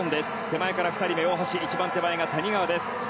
手前から２番目が大橋一番手前が谷川です。